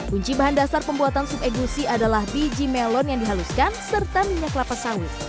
kunci bahan dasar pembuatan sup egusi adalah biji melon yang dihaluskan serta minyak kelapa sawit